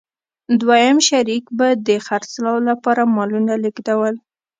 دویم شریک به د خرڅلاو لپاره مالونه لېږدول.